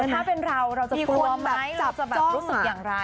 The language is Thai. ถ้าเป็นเราเราจะฟัวไหมเราจะแบบรู้สึกอย่างไร